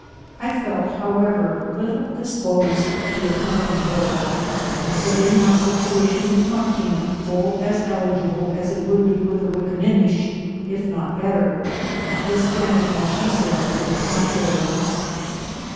I felt, however, little disposed to accompaay her, considering my situation wiih Maquina full as eligible as it would be with VVickinQiDish, if not better, notwithstandiDg all she said to the con trary.